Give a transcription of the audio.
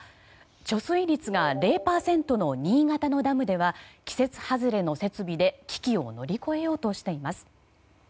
貯水率が０％の新潟のダムでは季節外れの設備で危機を乗り越えようとしています。